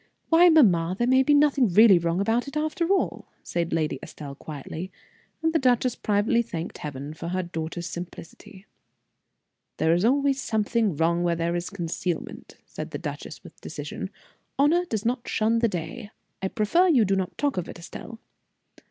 "Why, mamma, there may be nothing really wrong about it after all," said Lady Estelle, quietly, and the duchess privately thanked Heaven for her daughter's simplicity. "There is always some wrong where there is concealment," said the duchess, with decision. "Honor does not shun the day. I prefer you do not talk of it, Estelle."